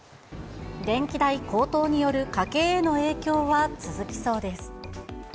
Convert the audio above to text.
電気代高騰による家計への影響は続きそうです。